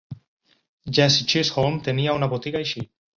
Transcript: Jesse Chisholm tenia una botiga aquí.